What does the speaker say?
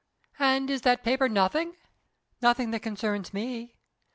"And is that paper nothing?" "Nothing that concerns me."